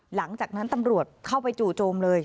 หลังจากนั้นตำรวจเข้าไปจู่โจมเลย